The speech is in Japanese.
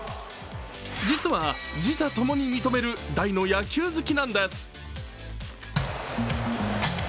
実は自他共に認める大の野球好きなんです。